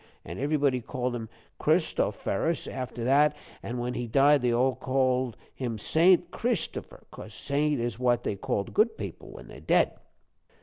An' everybody called him Christofferus after that, an' when he died they called him Saint Christopher, cos Saint is what they called good people when they're dead."